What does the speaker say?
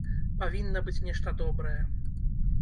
Павінна быць нешта добрае.